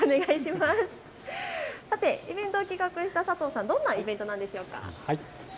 さてイベントを企画した佐藤さん、どんなイベントなんでしょうか。